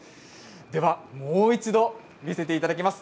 では、もう一度見せていただきます。